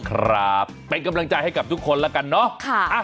ครับเป็นกำลังใจให้กับทุกคนแล้วกันเนาะ